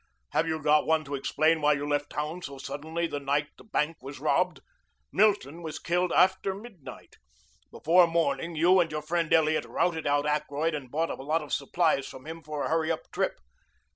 Have you got one to explain why you left town so suddenly the night the bank was robbed? Milton was killed after midnight. Before morning you and your friend Elliot routed out Ackroyd and bought a lot of supplies from him for a hurry up trip.